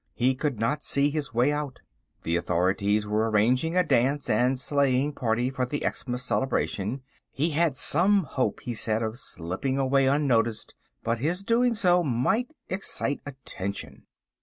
He could not see his way out. The authorities were arranging a dance and sleighing party for the Xmas celebration. He had some hope, he said, of slipping away unnoticed, but his doing so might excite attention.